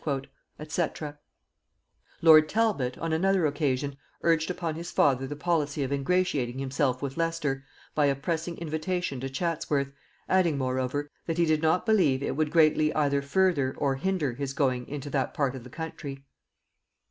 Lord Talbot, on another occasion, urged upon his father the policy of ingratiating himself with Leicester by a pressing invitation to Chatsworth, adding moreover, that he did not believe it would greatly either further or hinder his going into that part of the country.